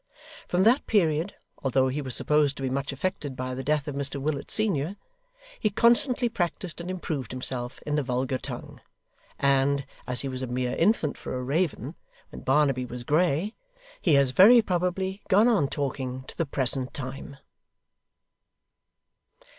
From that period (although he was supposed to be much affected by the death of Mr Willet senior), he constantly practised and improved himself in the vulgar tongue; and, as he was a mere infant for a raven when Barnaby was grey, he has very probably gone on talking to the present time.